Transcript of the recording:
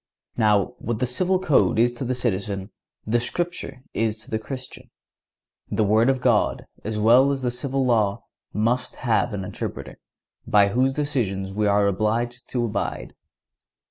Now what the civil code is to the citizen, the Scripture is to the Christian. The Word of God, as well as the civil law, must have an interpreter, by whose decision we are obliged to abide.